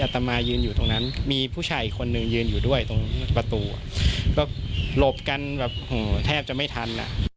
แทบจะไม่ทัน